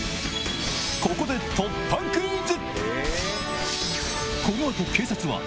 ここで突破クイズ！